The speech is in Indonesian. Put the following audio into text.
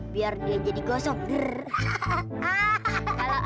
pokoknya orang yang bermata satu itu akan aku kasih blut listrik